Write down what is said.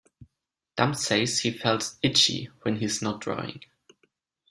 Dumm says he feels "itchy" when he's not drawing.